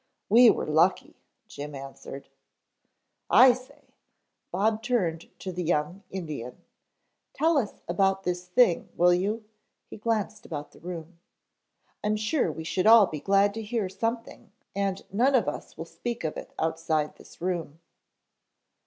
"We were lucky," Jim answered. "I say," Bob turned to the young Indian. "Tell us about this thing, will you?" He glanced about the room. "I'm sure we should all be glad to hear something and none of us will speak of it outside this room."